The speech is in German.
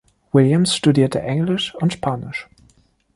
Williams studierte Englisch und Spanisch.